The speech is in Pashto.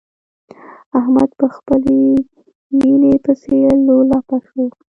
احمد په خپلې ميينې پسې لولپه شو.